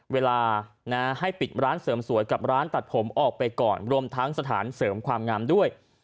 เวลาให้ปิดร้านเสริมสวยกับร้านตัดผมออกไปก่อนรวมทั้งสถานเสริมความงามด้วย